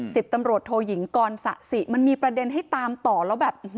สิบตำรวจโทยิงกรสะสิมันมีประเด็นให้ตามต่อแล้วแบบ